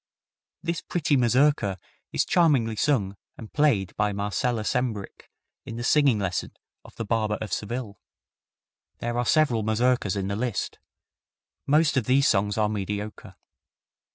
This pretty mazurka is charmingly sung and played by Marcella Sembrich in the singing lesson of "The Barber of Seville." There are several mazurkas in the list. Most of these songs are mediocre.